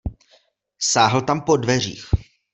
Sáhl tam po dveřích.